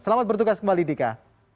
selamat bertugas kembali dika